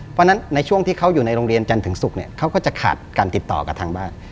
เพราะฉะนั้นในช่วงที่เขาอยู่ในโรงเรียนจันทร์ถึงศุกร์เนี่ยเขาก็จะขาดการติดต่อกับทางบ้าน